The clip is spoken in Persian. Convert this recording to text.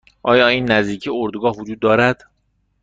آیا این نزدیکی اردوگاه وجود دارد؟